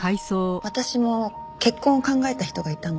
私も結婚を考えた人がいたの。